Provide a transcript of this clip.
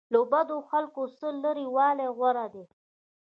له بدو خلکو څخه لرې والی غوره دی.